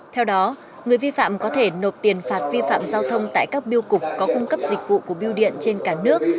theo đó người vi phạm có thể nộp tiền phạt vi phạm giao thông tại các biêu cục có cung cấp dịch vụ của biêu điện trên cả nước